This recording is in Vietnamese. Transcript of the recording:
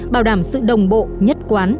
bảo đảm sự đồng bộ nhất quán